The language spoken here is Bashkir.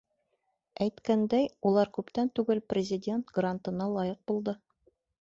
Әйткәндәй, улар күптән түгел Президент грантына лайыҡ булды.